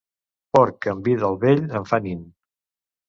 Porc amb vi del vell en fa nin.